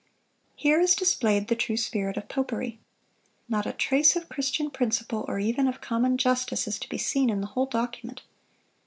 Here is displayed the true spirit of popery. Not a trace of Christian principle, or even of common justice, is to be seen in the whole document.